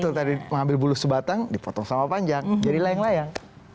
betul tadi mengambil bulu sebatang dipotong sama panjang jadi layang layang